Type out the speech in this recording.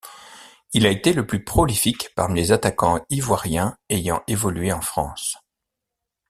Il a été le plus prolifique parmi les attaquants ivoiriens ayant évolué en France.